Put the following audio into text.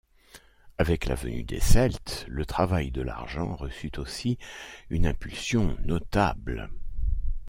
Avec la venue des Celtes, le travail de l’argent reçut aussi une impulsion notable.